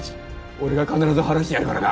俺が必ず晴らしてやるからな。